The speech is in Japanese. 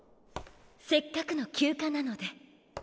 せっかくの休暇なので。